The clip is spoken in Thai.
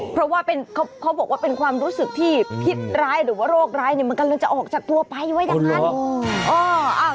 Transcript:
เพราะว่าเขาบอกว่าเป็นความรู้สึกที่พิษร้ายหรือว่าโรคร้ายเนี่ยมันกำลังจะออกจากตัวไปว่าอย่างนั้น